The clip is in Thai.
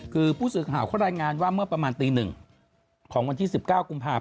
คือผู้สื่อข่าวเขารายงานว่าเมื่อประมาณตี๑ของวันที่๑๙กุมภาพ